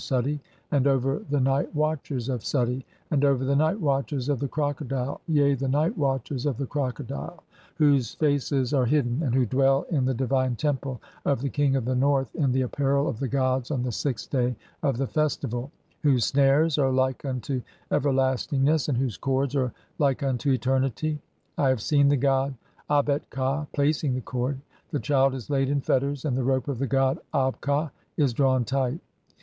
Grant thou that "Osiris may come forth triumphant over Suti [and over] the "night watchers (6) of Suti, and over the night watchers of the "Crocodile, yea the night watchers of the Crocodile, whose faces "are hidden and who dwell in the divine Temple of the King "of the North in the apparel of the gods on the sixth day "of the festival, (7) whose snares are like unto everlastingness "and whose cords are like unto eternity. I have seen the god "Abet ka placing the cord ; the child is laid in (8) fetters, and "the rope of the god Ab ka is drawn tight